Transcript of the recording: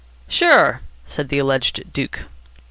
"Sure," said the alleged duke.